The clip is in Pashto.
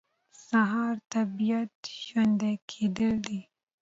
سهار د طبیعت ژوندي کېدل دي.